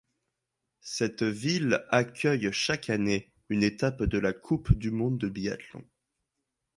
Cette ville accueille chaque année une étape de la Coupe du monde de biathlon.